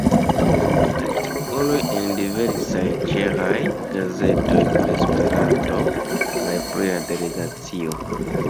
Artikoloj en diversaj ĉeĥaj gazetoj pri Esperanto kaj pri la Delegacio.